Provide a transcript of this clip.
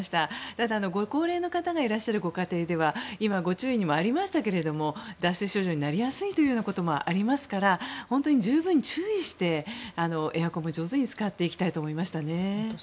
ただ、ご高齢の方がいらっしゃるご家庭ではご注意にもありましたが脱水症状になりやすいということもありますから本当に十分注意して、エアコンも上手に使っていきたいと思いましたね。